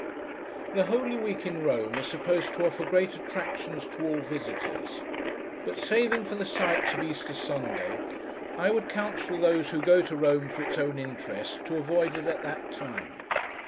The Holy Week in Rome is supposed to offer great attractions to all visitors; but, saving for the sights of Easter Sunday, I would counsel those who go to Rome for its own interest, to avoid it at that time.